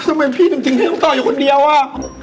แล้วแล้วทำไมพี่ทำไมพี่ต้องต้องอยู่คนเดียวา